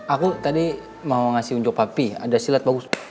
aku tadi mau ngasih unjuk api ada silat bagus